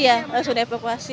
iya langsung dievakuasi